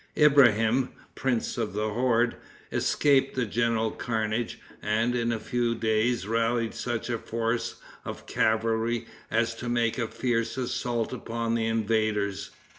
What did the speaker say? Ibrahim, prince of the horde, escaped the general carnage, and, in a few days, rallied such a force of cavalry as to make a fierce assault upon the invaders.